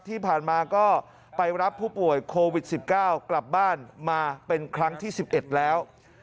ที่ผ่านมาก็ไปรับผู้ป่วยโควิด๑๙กลับบ้านมาเป็นครั้งที่๑๑แล้ว